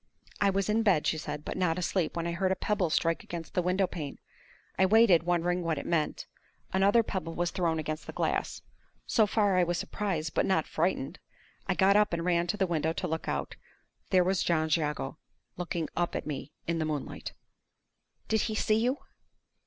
"I was in bed," she said, "but not asleep, when I heard a pebble strike against the window pane. I waited, wondering what it meant. Another pebble was thrown against the glass. So far, I was surprised, but not frightened. I got up, and ran to the window to look out. There was John Jago looking up at me in the moonlight!" "Did he see you?"